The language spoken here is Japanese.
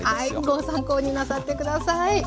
ご参考になさって下さい。